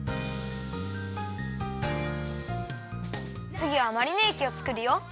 つぎはマリネえきをつくるよ。